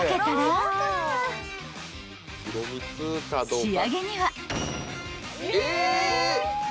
［仕上げには］